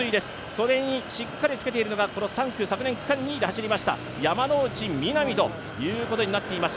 それにしっかりつけているのが昨年区間２位で走りました、山ノ内みなみということになっています。